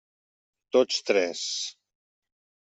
Tots tres.